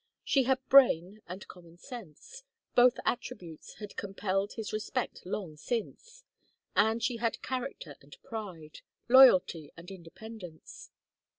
She had brain and common sense; both attributes had compelled his respect long since. And she had character and pride loyalty and independence.